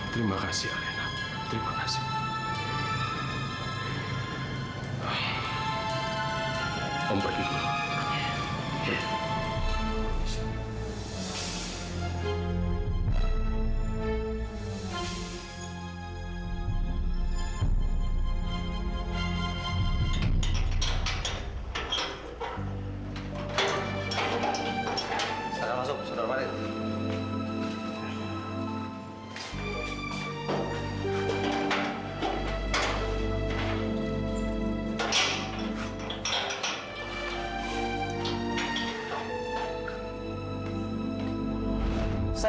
terima kasih alina